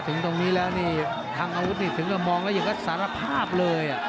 ถึงตรงนี้แล้วนี่ทางอาวุธนี่ถึงก็มองแล้วยังก็สารภาพเลย